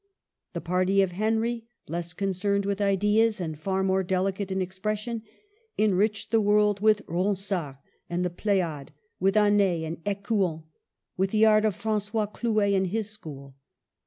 The party of Henry, less concerned with ideas, and far more delicate in expression, enriched the world with Ronsard and the Pleiad, with Anet and Ecouen, with the art of Frangois Clouet and his school.